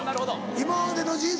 今までの人生